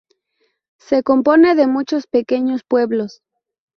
Se compone de muchos pequeños pueblos.